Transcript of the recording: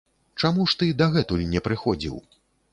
Чаму ж ты дагэтуль не прыходзіў?